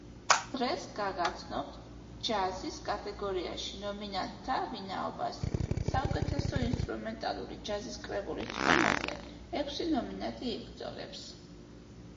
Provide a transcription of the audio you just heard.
დღეს გაგაცნობთ ჯაზის კატეგორიაში ნომინანტთა ვინაობას: საუკეთესო ინსტრუმენტალური ჯაზის კრებულის წოდებაზე ექვსი ნომინანტი იბრძოლებს.